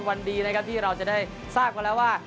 วันดีนะครับทำให้เรามันเคลื่อนค์ที่จะได้ทราบว่า